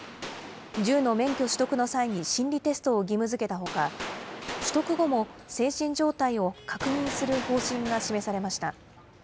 銃の免許取得の際に心理テストを義務づけたほか、取得後も精神状態を確認する方針が示されました。